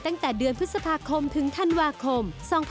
ตั้งแต่เดือนพฤษภาคมถึงธันวาคม๒๕๖๒